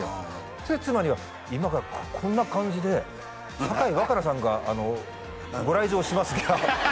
それで妻には今からこんな感じで酒井若菜さんがご来場しますがハハハ